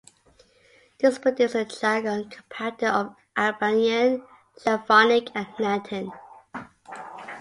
This produced a jargon compounded of Albanian, Slavonic, and Latin.